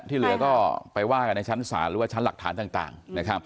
ที่เหลือก็ไปว่ากันในชั้นศาลหรือว่าชั้นหลักฐานต่าง